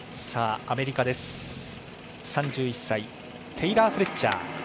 アメリカです、３１歳テイラー・フレッチャー。